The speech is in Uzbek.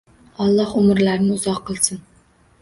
Alloh umrlarini uzoq qilsin